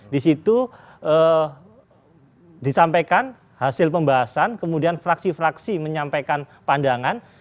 di situ disampaikan hasil pembahasan kemudian fraksi fraksi menyampaikan pandangan